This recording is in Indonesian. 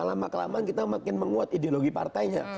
lama kelamaan kita makin menguat ideologi partainya